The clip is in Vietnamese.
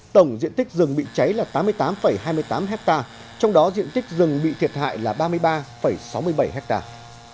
tổng diện tích rừng bị cháy là tám mươi tám hai mươi tám hectare trong đó diện tích rừng bị thiệt hại là ba mươi ba sáu mươi bảy hectare